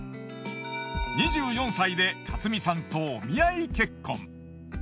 ２４歳で勝美さんとお見合い結婚。